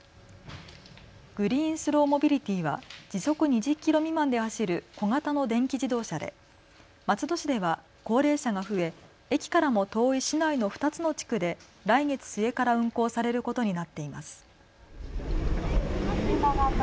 グリーンスローモビリティは時速２０キロ未満で走る小型の電気自動車で、松戸市では高齢者が増え、駅からも遠い市内の２つの地区で来月末から運行されることになっています。